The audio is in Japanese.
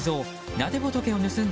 なで仏を盗んだ